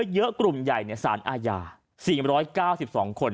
เยอะกลุ่มใหญ่สารอาญารัฐธรรม๔๙๒คน